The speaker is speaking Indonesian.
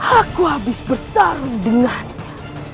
aku habis bertarung dengannya